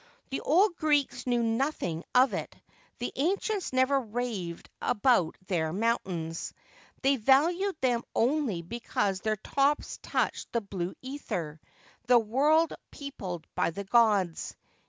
The old G reeks knew nothing of ib. The ancients never raved about their mountains. They valued them only because their tops touched the blue ether, the world peopled by the gods.